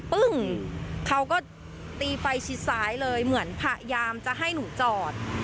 ปึ้งเขาก็ตีไฟชิดซ้ายเลยเหมือนพยายามจะให้หนูจอด